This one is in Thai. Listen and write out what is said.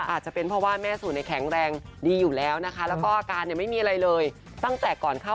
อาจจะเป็นเพราะว่าแม่สูในแข็งแรงดีอยู่แล้วนะคะ